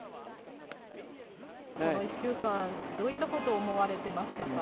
この１週間、どういったことを思われてましたか。